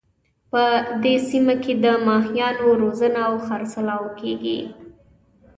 په دې سیمه کې د ماهیانو روزنه او خرڅلاو کیږي